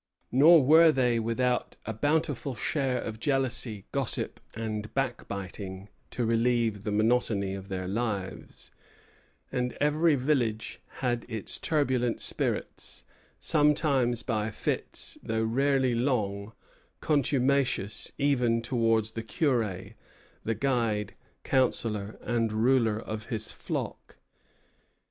Nor were they without a bountiful share of jealousy, gossip, and backbiting, to relieve the monotony of their lives; and every village had its turbulent spirits, sometimes by fits, though rarely long, contumacious even toward the curé, the guide, counsellor, and ruler of his flock.